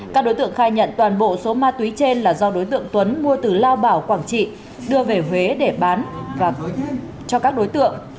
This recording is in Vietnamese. các đối tượng khai nhận toàn bộ số ma túy trên là do đối tượng tuấn mua từ lao bảo quảng trị đưa về huế để bán và cho các đối tượng